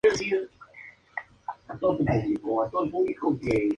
Así obtuvo Morgoth la victoria total.